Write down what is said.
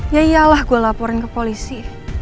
ya iyalah gue laporin ke polisi